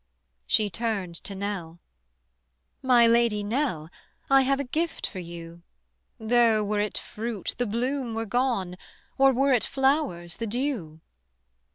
She turned to Nell: "My Lady Nell, I have a gift for you; Though, were it fruit, the bloom were gone, Or, were it flowers, the dew.